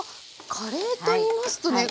カレーと言いますとね